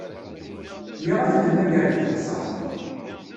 Iyya ad t-nemmager deg teɣsert.